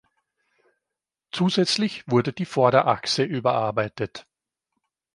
Zusätzlich wurde die Vorderachse überarbeitet.